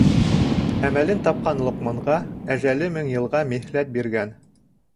Әмәлен тапҡан Лоҡманға әжәле мең йылға миһләт биргән.